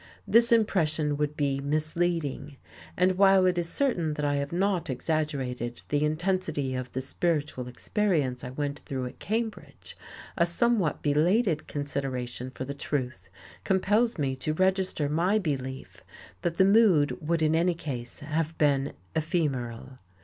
This impression would be misleading. And while it is certain that I have not exaggerated the intensity of the spiritual experience I went through at Cambridge, a somewhat belated consideration for the truth compels me to register my belief that the mood would in any case have been ephemeral.